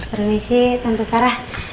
permisi tante sarah